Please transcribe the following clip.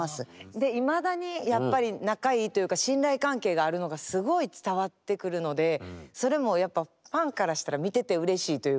でいまだにやっぱり仲いいというか信頼関係があるのがすごい伝わってくるのでそれもやっぱファンからしたら見ててうれしいというか。